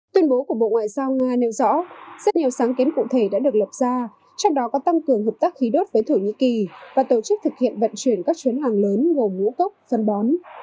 tuyên bố của bộ ngoại giao nga nêu rõ rất nhiều sáng kiến cụ thể đã được lập ra trong đó có tăng cường hợp tác khí đốt với thổ nhĩ kỳ và tổ chức thực hiện vận chuyển các chuyến hàng lớn gồm ngũ cốc phân bón